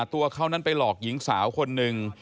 ตัวเขานั้นไปหลอกหญิงสาวคนหนึ่ง